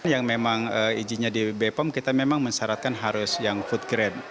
yang memang izinnya di bepom kita memang mensyaratkan harus yang food grade